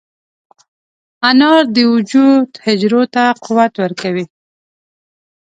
انار د وجود حجرو ته قوت ورکوي.